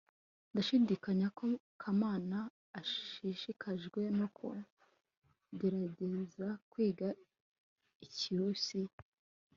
ndashidikanya ko kamana ashishikajwe no kugerageza kwiga ikirusiya